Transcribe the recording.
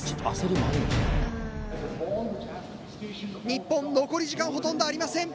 日本残り時間ほとんどありません。